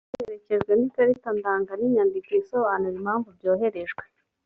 biherekejwe n ikarita ndanga n inyandiko isobanura impamvu byoherejwe